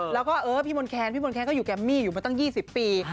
แล้วก็พี่มนแค้นก็อยู่แกมมี่อยู่มาตั้ง๒๐ปี